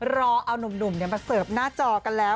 รอเอานุ่มมาเสิร์ฟหน้าจอกันแล้ว